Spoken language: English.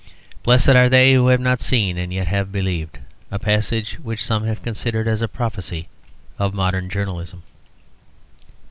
Blessed are they who have not seen and yet have believed: a passage which some have considered as a prophecy of modern journalism.